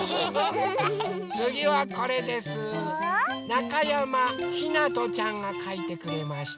なかやまひなとちゃんがかいてくれました。